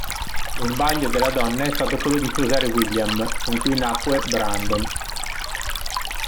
Lo sbaglio della donna è stato quello di sposare William, con cui nacque Brandon.